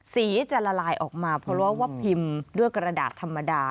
สีจะละลายออกมาเพราะว่าพิมพ์ด้วยกระดาษธรรมดา